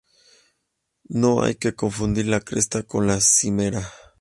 No hay que confundir la cresta con la cimera.